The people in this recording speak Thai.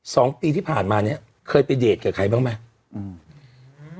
สองปีที่ผ่านมาเนี้ยเคยไปเดทกับใครบ้างไหมอืม